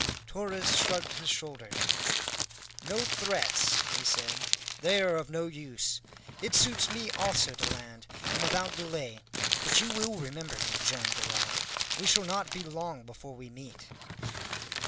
Torres shrugged his shoulders. "No threats," he said; "they are of no use. It suits me also to land, and without delay. But you will remember me, Joam Garral. We shall not be long before we meet."